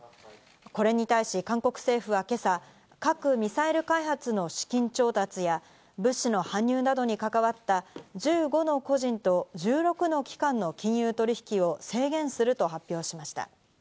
これに対し韓国政府は今朝、核・ミサイル開発の資金調達や、物資の搬入などに関わった１５の個人と１６の機関の金融取引を制限すると発表しました。